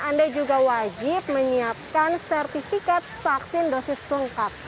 anda juga wajib menyiapkan sertifikat vaksin dosis lengkap